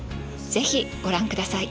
是非ご覧ください。